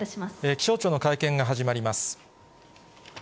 気象庁の会見が始まります。